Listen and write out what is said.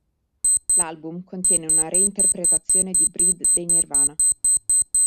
L'album contiene una reinterpretazione di "Breed" dei Nirvana.